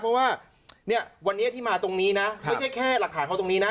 เพราะว่าเนี่ยวันนี้ที่มาตรงนี้นะไม่ใช่แค่หลักฐานเขาตรงนี้นะ